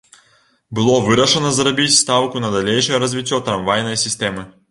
Было вырашана зрабіць стаўку на далейшае развіццё трамвайнай сістэмы.